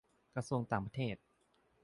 -กระทรวงต่างประเทศ